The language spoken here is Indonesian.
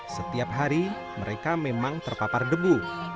setiap hari mereka memang terpapar debu